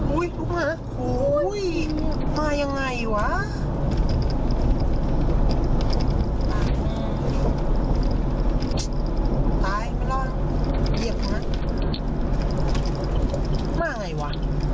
อุ้ยอุ๊ยมายังไงวะ